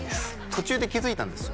途中で気づいたんですよ